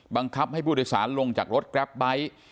บังคับให้ผู้โดยสารลงจากรถแกรปไบท์